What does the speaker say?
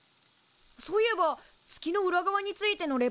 そういえば月の裏側についてのレポートもうやった？